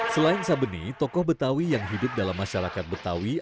selain sabeni tokoh betawi yang hidup dalam masyarakat betawi